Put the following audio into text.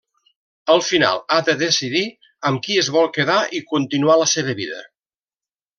Al final ha de decidir amb qui es vol quedar i continuar la seva vida.